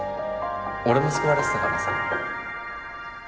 俺も救われてたからさ。